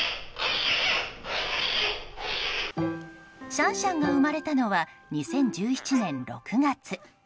シャンシャンが生まれたのは２０１７年６月。